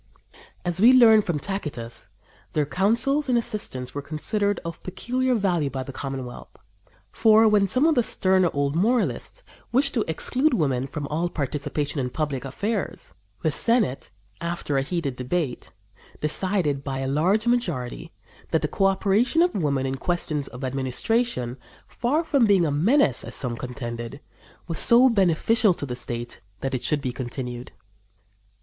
As we learn from Tacitus, their counsels and assistance were considered of peculiar value by the Commonwealth. For, when some of the sterner old moralists wished to exclude women from all participation in public affairs, the Senate, after a heated debate, decided by a large majority that the coöperation of women in questions of administration, far from being a menace, as some contended, was so beneficial to the state that it should be continued.